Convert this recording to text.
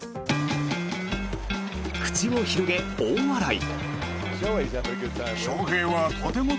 口を広げ、大笑い。